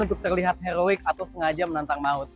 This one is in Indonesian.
untuk terlihat heroik atau sengaja menantang maut